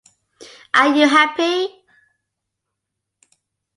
Are You Happy?